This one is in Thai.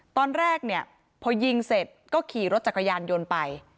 ตอนแรกเนี่ยพอยิงเสร็จก็ขี่รถจักรยานยนต์ไป